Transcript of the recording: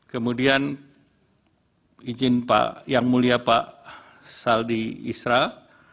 kemudian izin pak yang mulia pak saldi isra